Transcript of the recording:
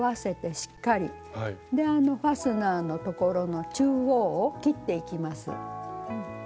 でファスナーのところの中央を切っていきます。